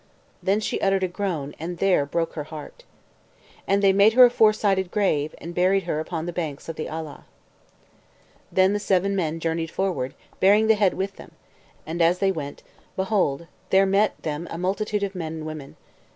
Then she uttered a groan, and there broke her heart. And they made her a four sided grave, and buried her upon the banks of the Alaw. Then the seven men journeyed forward, bearing the head with them; and as they went, behold there met them a multitude of men and women.